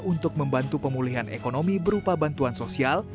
untuk membantu pemulihan ekonomi berupa bantuan sosial